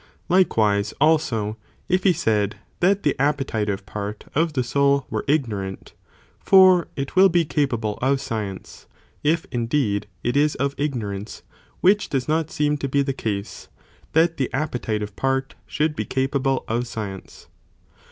Likewise, also, if he said that the appeti ΤΑ ΟΣ. ἀιπτωὸν. tive part of the soul was ignorant, for it will be See Ethicsi.18. capable of science, if indeed it is of ignorance, which does not seem to be the case, that the appetitive part should be capable of science.